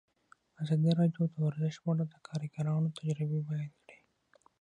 ازادي راډیو د ورزش په اړه د کارګرانو تجربې بیان کړي.